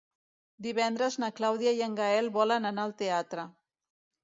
Divendres na Clàudia i en Gaël volen anar al teatre.